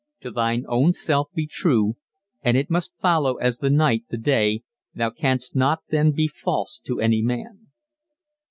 "To thine own self be true; and it must follow as the night the day, thou canst not then be false to any man."